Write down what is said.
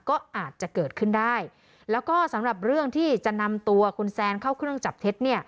ก็อาจจะเกิดขึ้นได้แล้วก็สำหรับเรื่องที่จะนำตัวคุณแซนเข้าเครื่องจับเท็จ